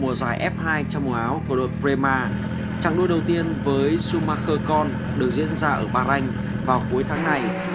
mich schumacher sẽ bắt đầu mùa giải f hai trang mùa áo của đội bremer trang đua đầu tiên với schumacher korn được diễn ra ở bàn anh vào cuối tháng này